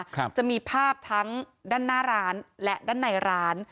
ครับจะมีภาพทั้งด้านหน้าร้านและด้านในร้าน